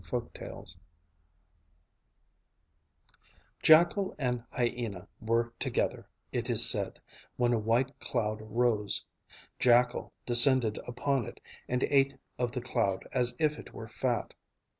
CLOUD EATING Jackal and Hyena were together, it is said, when a white cloud rose. Jackal descended upon it, and ate of the cloud as if it were fat.